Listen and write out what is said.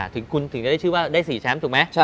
ถึงคุณถึงจะได้ชื่อว่าได้๔แชมป์ถูกไหม